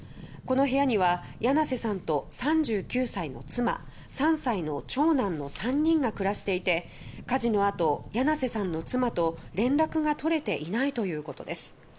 この部屋には簗瀬さんと３９歳の妻３歳の長男の３人が暮らしていて火事のあと簗瀬さんの妻と連絡が取れていないということです。